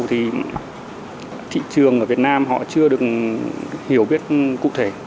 thì thị trường ở việt nam họ chưa được hiểu biết cụ thể